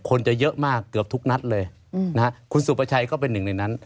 คนจะเยอะมากเกือบทุกนัดเลยนะฮะคุณสุประชัยก็เป็นหนึ่งในนั้น